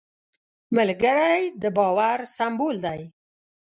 ملګری د باور سمبول دی